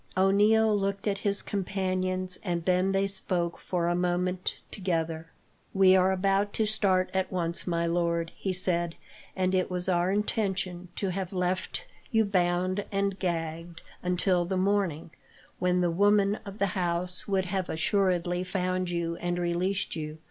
O'Neil looked at his companions, and then they spoke for a moment together. "We are about to start at once, my lord," he said, "and it was our intention to have left you bound and gagged, until the morning, when the woman of the house would have assuredly found you and released you.